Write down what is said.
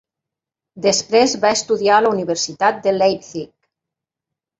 Després va estudiar a la Universitat de Leipzig.